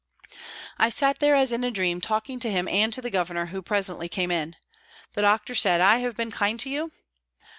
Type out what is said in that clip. I sat there as in a dream talking to him and to the Governor, who presently came in. The doctor said, " I have been kind to you